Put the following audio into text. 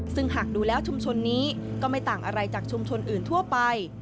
ซึ่งหากดูแล้วชุมชนนี้ก็ไม่ต่างอะไรจากชุมชนอื่นทั่วไป